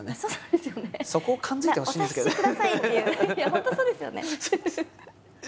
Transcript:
本当そうですよね。